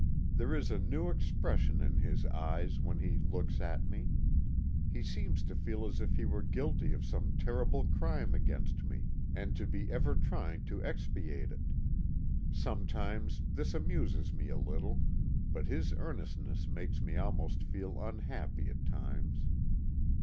There is a new expression in his eyes when he looks at me. He seems to feel as if he were guilty of some terrible crime against me, and to be ever trying to expiate it. Sometimes this amuses me a little, but his earnestness makes me almost feel unhappy at times.